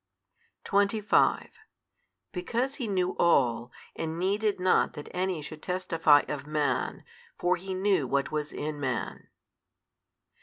25 Because He knew all, and needed not that any should testify of man; for He knew what was in man.